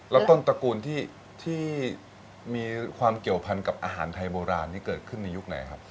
แล้วต้นตระกูลที่มีความเกี่ยวพันกับอาหารไทยโบราณนี้เกิดขึ้นในยุคไหนครับ